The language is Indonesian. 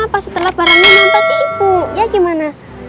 pas setelah barangnya nontak ke ibu ya gimana